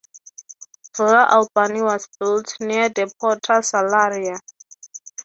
Villa Albani was built near the Porta Salaria.